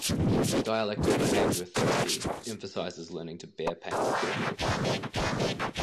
Dialectical behavior therapy emphasizes learning to bear pain skillfully.